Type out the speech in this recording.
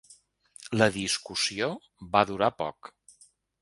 La discussió va durar poc.